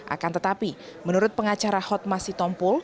akan tetapi menurut pengacara hotmasi tompol